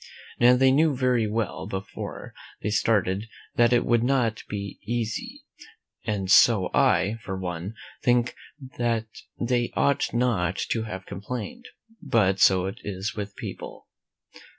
Now, they knew very well before they started that it would not be easy, and so I, for one, think that they ought not to have com plained; but so it is with people.